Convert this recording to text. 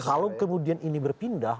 kalau kemudian ini berpindah